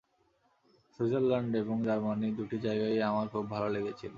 Switzerland এবং Germany দুটি জায়গায়ই আমার খুব ভাল লেগেছিল।